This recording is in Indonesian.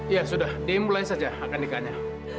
ya sudah dimulai saja akad nikahnya